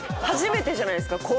初めてじゃないですか？